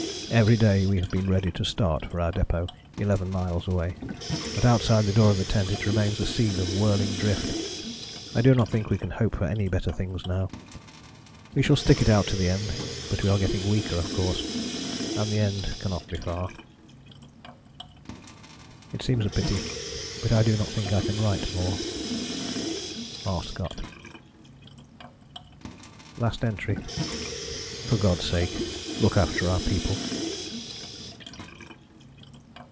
Every day we have been ready to start for our depôt 11 miles away, but outside the door of the tent it remains a scene of whirling drift. I do not think we can hope for any better things now. We shall stick it out to the end, but we are getting weaker, of course, and the end cannot be far. "It seems a pity, but I do not think I can write more. R. SCOTT." Last entry. "For God's sake, look after our people."